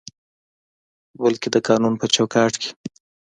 بلکې د قانون په چوکاټ کې